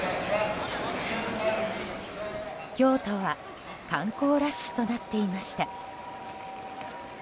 京都は観光ラッシュとなっていました。